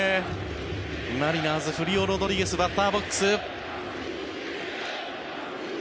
マリナーズフリオ・ロドリゲスバッターボックス。